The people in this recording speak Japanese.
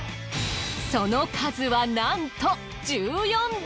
その数はなんと１４台。